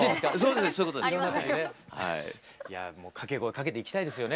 掛け声かけていきたいですよね。